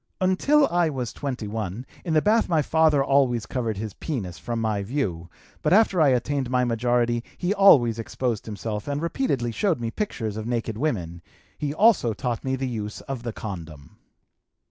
Until I was 21, in the bath my father always covered his penis from my view, but after I attained my majority he always exposed himself and repeatedly showed me pictures of naked women; he also taught me the use of the condom.